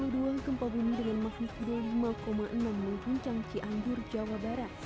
dua gempa bumi dengan makhluk dua puluh lima enam menuncang cianjur jawa barat